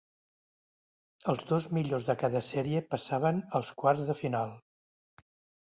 Els dos millors de cada sèrie passaven als quarts de final.